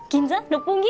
六本木？